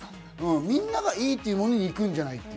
みんながいいというものに行くんじゃない。